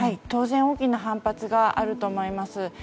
当然、大きな反発があると思います。